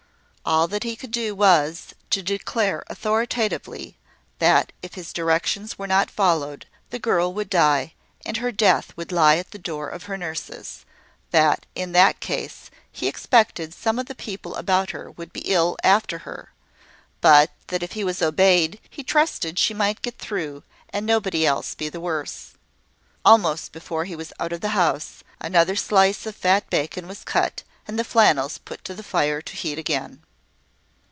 All that he could do was, to declare authoritatively, that if his directions were not followed, the girl would die, and her death would lie at the door of her nurses; that, in that case, he expected some of the people about her would be ill after her; but that if he was obeyed, he trusted she might get through, and nobody else be the worse. Almost before he was out of the house, another slice of fat bacon was cut, and the flannels put to the fire to heat again.